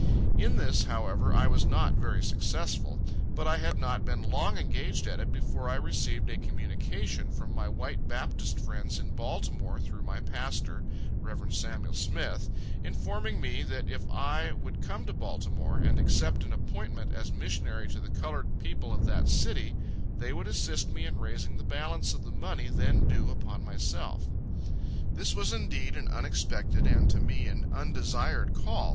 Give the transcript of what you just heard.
In this, however, I was not very successful; but I had not been long engaged at it, before I received a communication from my white Baptist friends in Baltimore, through my pastor, Rev. Sam'l Smith, informing me that if I would come to Baltimore, and accept an appointment as missionary to the colored people of that city, they would assist me in raising the balance of the money then due upon myself. This was indeed an unexpected, and to me an undesired call.